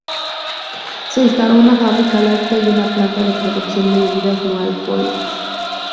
Se instauró una fábrica láctea y una planta de producción de bebidas no alcohólicas.